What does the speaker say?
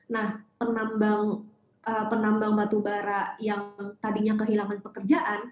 nah penambang penambang batu bara yang tadinya kehilangan pekerjaan